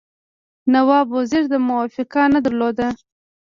نواب وزیر موافقه نه درلوده.